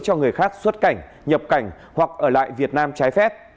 cho người khác xuất cảnh nhập cảnh hoặc ở lại việt nam trái phép